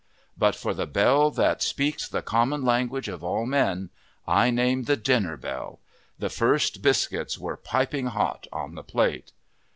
But for the bell that speaks the common language of all men, I name the dinner bell! The first biscuits were piping hot on the plate.